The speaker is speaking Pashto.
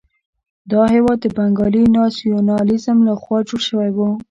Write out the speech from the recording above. دا هېواد د بنګالي ناسیونالېزم لخوا جوړ شوی وو.